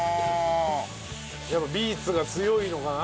やっぱビーツが強いのかな？